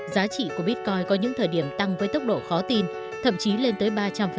giá trị của bitcoin có những thời điểm tăng với tốc độ khó tin thậm chí lên tới ba trăm linh